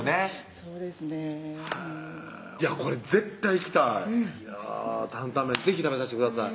そうですねこれ絶対行きたい担々麺是非食べさせてください